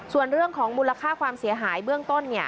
ส่วนเรื่องของมูลค่าความเสียหายเบื้องต้น